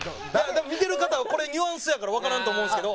多分見てる方はこれニュアンスやからわからんと思うんですけど。